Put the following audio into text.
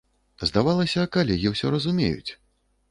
Здавалася, калегі ўсё разумеюць.